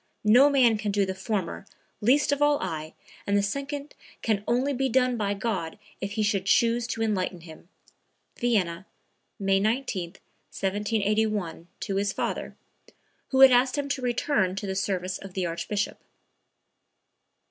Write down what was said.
No man could do the former, least of all I, and the second can only be done by God if He should choose to enlighten him." (Vienna, May 19, 1781, to his father, who had asked him to return to the service of the Archbishop.)